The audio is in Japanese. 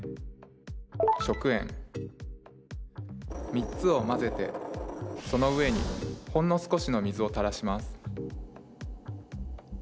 ３つを混ぜてその上にほんの少しの水をたらします。